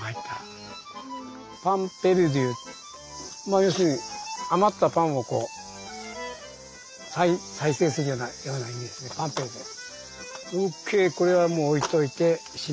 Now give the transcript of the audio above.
まあ要するに余ったパンをこう再生するようなイメージパンペルデュ。